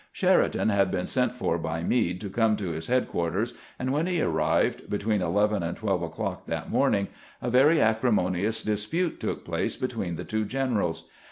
Sheridan had been sent for by Meade to come to his headquarters, and when he arrived, between eleven and twelve o'clock that morning, a very acrimonious dispute took place between the two generals.